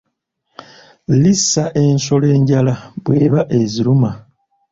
Liisa ensolo enjala bw'eba eziruma.